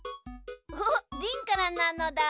おっリンからなのだ。